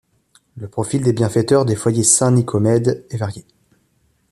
Le profil des bienfaiteurs des foyers Saint-Nicodème est varié.